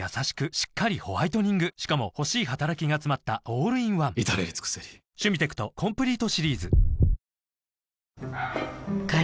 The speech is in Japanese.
しっかりホワイトニングしかも欲しい働きがつまったオールインワン至れり尽せり使い方で選べるキッチンボード。